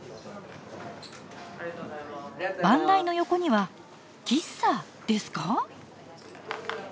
番台の横には喫茶ですか？